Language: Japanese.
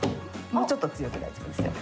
もうちょっと強く大丈夫ですよ。